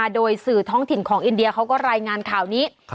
โดยสื่อท้องถิ่นของอินเดียเขาก็รายงานข่าวนี้